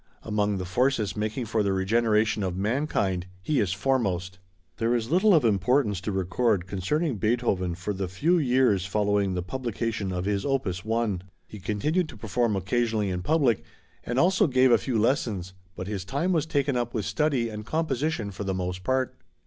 Among the forces making for the regeneration of mankind, he is foremost. There is little of importance to record concerning Beethoven for the few years following the publication of his opus 1. He continued to perform occasionally in public, and also gave a few lessons, but his time was taken up with study and composition for the most part.